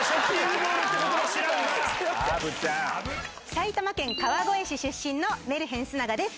埼玉県川越市出身のメルヘン須長です。